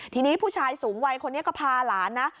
ทีนี้ผู้ชายสูงวัยคนนี้ก็พาหลานนะ